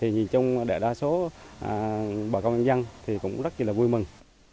nhìn chung đại đa số bà công nhân dân cũng rất vui mừng